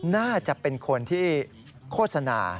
น่าจะเป็นคนที่โฆษณา